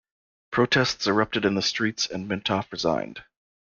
Protests erupted in the streets and Mintoff resigned.